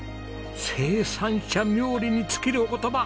生産者冥利に尽きるお言葉